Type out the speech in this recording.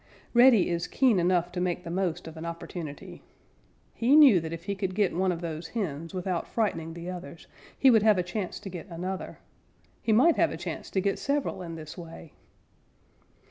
Reddy is keen enough to make the most of an opportunity. He knew that if he could get one of these hens without frightening the others, he would have a chance to get another. He might have a chance to get several in this way.